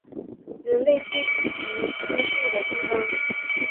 人类聚集居住的地方